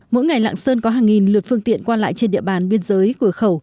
mỗi ngày lạng sơn có hàng nghìn lượt phương tiện qua lại trên địa bàn biên giới cửa khẩu